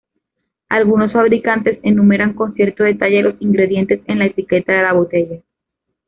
Algunos fabricantes enumeran con cierto detalle los ingredientes en la etiqueta de la botella.